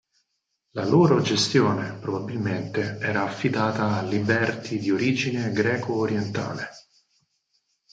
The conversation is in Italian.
La loro gestione probabilmente era affidata a liberti di origine greco orientale.